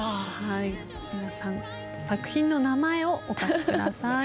皆さん作品の名前をお書きください。